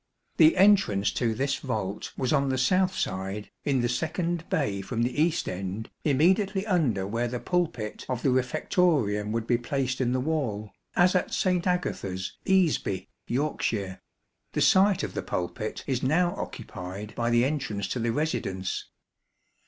The entrance to this vault was on the south side, in the second bay from the east end, immediately under where the pulpit of the refectorium would be placed in the wall, as at St. Agatha's, Easby, Yorkshire. The site of the pulpit is now occupied by the entrance to the residence.